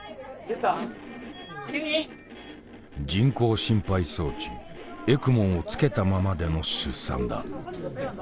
人工心肺装置ＥＣＭＯをつけたままでの出産だ。